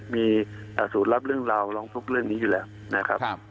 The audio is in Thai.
มีศูนย์รับเรื่องราวร้องทุกข์เรื่องนี้อยู่แล้วนะครับ